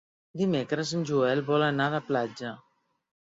Dimecres en Joel vol anar a la platja.